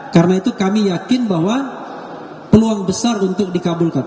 karena itu kami yakin bahwa peluang besar untuk dikabulkan